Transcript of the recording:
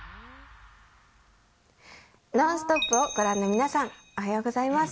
「ノンストップ！」をご覧の皆さんおはようございます。